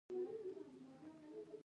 ایا د هغوی ولسمشران دومره بې شرمه نه دي.